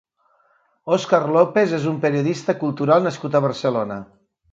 Óscar López és un periodista cultural nascut a Barcelona.